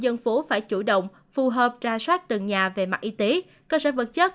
dân phố phải chủ động phù hợp ra soát từng nhà về mặt y tế cơ sở vật chất